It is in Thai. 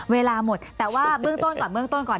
เวลาหมดแต่ว่าเบื้องต้นก่อน